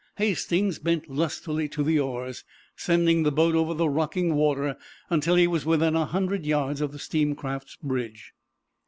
Hastings bent lustily to the oars, sending the boat over the rocking water until he was within a hundred yards of the steam craft's bridge.